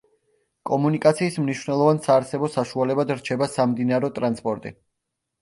კომუნიკაციის მნიშვნელოვან საარსებო საშუალებად რჩება სამდინარო ტრანსპორტი.